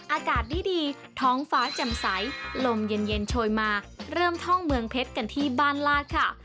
อากาศดีท้องฟ้าแจ่มใสลมเย็นโชยมาเริ่มท่องเมืองเพชรกันที่บ้านลาดค่ะ